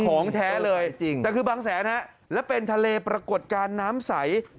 ของแท้เลยจริงแต่คือบางแสนฮะและเป็นทะเลปรากฏการณ์น้ำใส